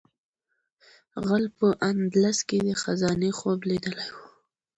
غل په اندلس کې د خزانې خوب لیدلی و.